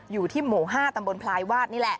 อยู่ที่หมู่๕ตำบลพลายวาดนี่แหละ